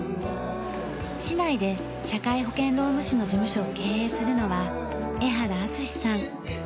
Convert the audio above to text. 市内で社会保険労務士の事務所を経営するのは江原充志さん。